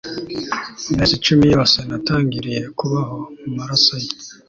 mu mezi cumi yose natangiriye kubaho mu maraso ye